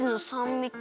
みと